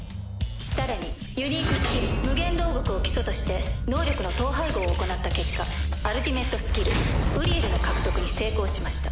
さらにユニークスキル無限牢獄を基礎として能力の統廃合を行った結果アルティメットスキル「誓約之王」の獲得に成功しました。